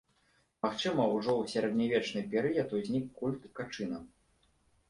Магчыма, ужо у сярэднявечны перыяд узнік культ качына.